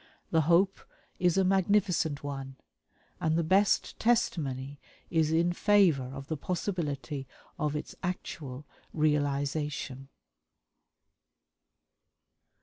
The hope is a magnificent one, and the best testimony is in favor of the possibility of its actual realization.